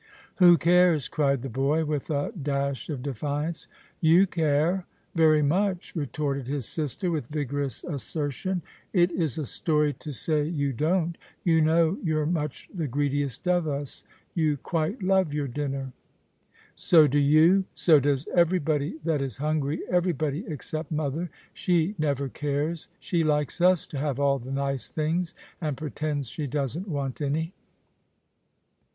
" Who cares ?" cried the boy, with a dash of defiance. " You care — very much !" retorted his sister, with vigorous assertion. "It is a story to say you don't. You know you're much the greediest of us. You quite love your dinner." " So do you ! So does everybody that is hungry ; everybody except mother. She never cares. She likes us to have all the nice things, and pretends she doesn't want any."